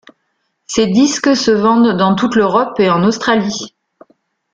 Ses disques se vendent dans toute l'Europe et en Australie.